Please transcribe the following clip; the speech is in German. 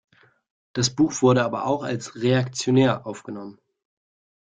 Das Buch wurde aber auch als „reaktionär“ aufgenommen.